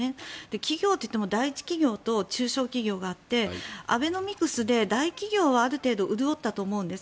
企業といっても大企業と中小企業があってアベノミクスで大企業はある程度潤ったと思うんです。